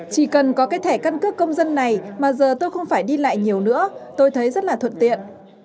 chỉ cần có cái thẻ căn cước công dân này mà giờ tôi không phải đi lại nhiều nữa tôi thấy rất là thuận tiện